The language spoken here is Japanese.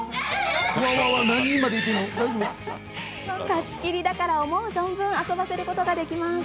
貸し切りだから、思う存分遊ばせることができます。